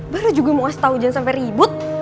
baru juga mau asetau ujian sampe ribut